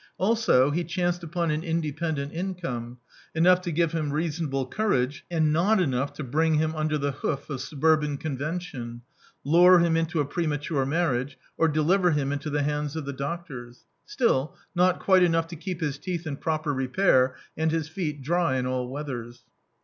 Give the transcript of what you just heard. Also, he dianced upon an independent income: enough to give him reasonable courage, and not enou^ to bring him under the hoof of suburban convention, lure him into a premature marriage, or deliver him into the hands of the doctors. Still, not quite enough to keep his teeth in proper repair and his feet dry in all weathers.